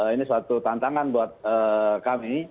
ini suatu tantangan buat kami